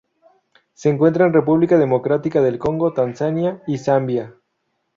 Se encuentra en República Democrática del Congo Tanzania y Zambia.